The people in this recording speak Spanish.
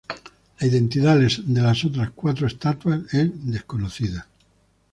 La identidad de las otras cuatro estatuas es desconocida.